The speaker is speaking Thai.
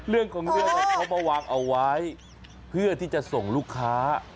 เรื่องของเรื่องเขามาวางเอาไว้เพื่อที่จะส่งลูกค้า